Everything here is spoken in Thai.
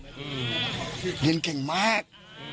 เรียนเก่งมาก